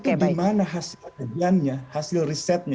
itu dimana hasil kebijakannya hasil risetnya